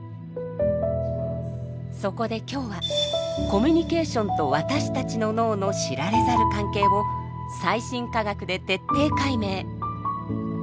そこで今日はコミュニケーションと私たちの脳の知られざる関係を最新科学で徹底解明。